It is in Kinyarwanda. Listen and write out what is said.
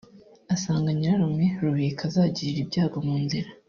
agasanga nyirarume Rubika azagirira ibyago mu nzira